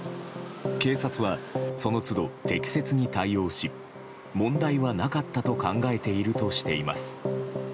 警察はその都度、適切に対応し問題はなかったと考えているとしています。